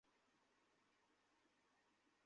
এটা মিস করেছিস, ভিক্টর?